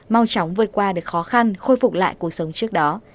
mau chóng vượt qua được khó khăn khôi phục lại cuộc sống trước đó